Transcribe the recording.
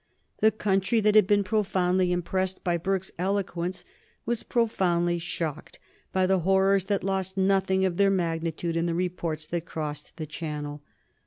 The country that had been profoundly impressed by Burke's eloquence was profoundly shocked by the horrors that lost nothing of their magnitude in the reports that crossed the Channel.